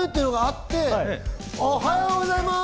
おはようございます。